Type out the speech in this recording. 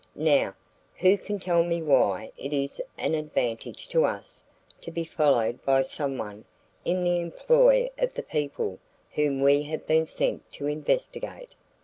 "Now, who can tell me why it is an advantage to us to be followed by someone in the employ of the people whom we have been sent to investigate."